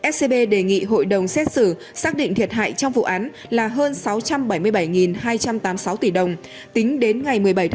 scb đề nghị hội đồng xét xử xác định thiệt hại trong vụ án là hơn sáu trăm bảy mươi bảy hai trăm tám mươi sáu tỷ đồng